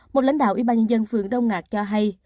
một lãnh đạo ủy ban nhân dân phường đông ngạc cho hay